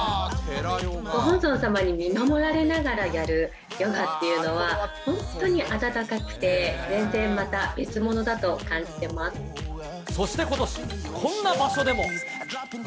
ご本尊様に見守られながらやるヨガっていうのは本当に温かくそしてことし、こんな場所でも。